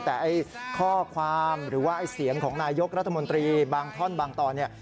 แต่ไอ้ข้อความหรือว่าไอ้เสียงของนายกรัฐมนตรีบางท่อนบางตอนเนี่ย